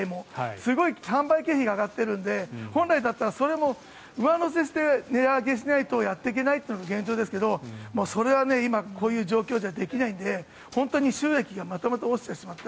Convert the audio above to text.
すごい販売経費が上がっているので本来だったらそれも上乗せして値上げしないとやっていけないっていうのが現状ですがそれは今、こういう状況ではできないので本当に収益がまた落ちてしまった。